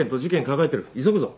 急ぐぞ。